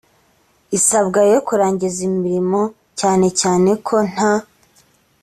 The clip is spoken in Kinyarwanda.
isabwa yo kurangiza imirimo cyane cyane ko nta